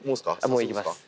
もう行きます。